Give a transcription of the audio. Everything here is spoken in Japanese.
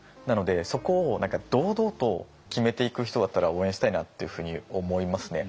そこを堂々と決めていく人だったら応援したいなっていうふうに思いますね。